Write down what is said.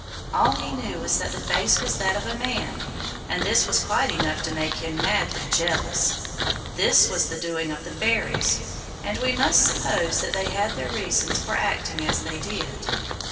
All he knew was that the face was that of a man, and this was quite enough to make him madly jealous. This was the doing of the fairies, and we must suppose that they had their reasons for acting as they did.